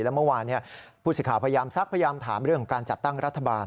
แล้วเมื่อวานผู้สิทธิ์พยายามซักพยายามถามเรื่องของการจัดตั้งรัฐบาล